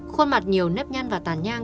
khuôn mặt nhiều nếp nhăn và tàn nhang